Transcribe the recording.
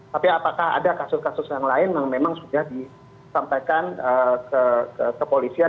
tapi apakah ada kasus kasus yang lain yang memang sudah disampaikan ke kepolisian